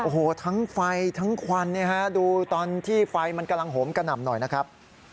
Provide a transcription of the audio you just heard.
โอ้โหทั้งไฟทั้งควันเนี่ยฮะดูตอนที่ไฟมันกำลังโหมกระหน่ำหน่อยนะครับ